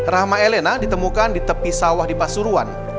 rahma elena ditemukan di tepi sawah di pasuruan